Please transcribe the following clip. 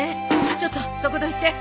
ちょっとそこどいて。